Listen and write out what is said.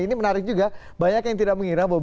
ini menarik juga banyak yang tidak mengira bahwa